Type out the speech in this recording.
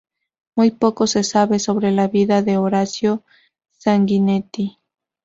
Muy poco se sabe sobre la vida de Horacio Sanguinetti.